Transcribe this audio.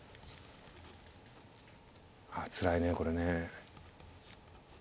ああつらいねこれね。